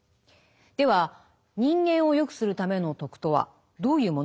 では人間を善くするための徳とはどういうものなのでしょうか？